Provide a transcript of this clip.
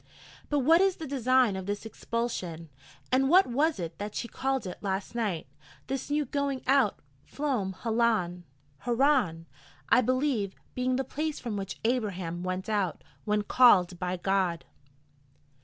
But what is the design of this expulsion? And what was it that she called it last night? 'this new going out flom Halan'! 'Haran,' I believe, being the place from which Abraham went out, when 'called' by God.